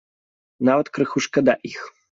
Нават крыху шкада іх.